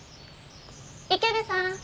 ・池部さん。